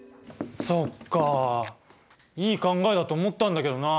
そっかいい考えだと思ったんだけどな。